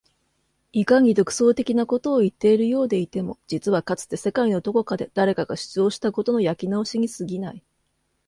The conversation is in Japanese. いかに独創的なことを言っているようでいても実はかつて世界のどこかで誰かが主張したことの焼き直しに過ぎない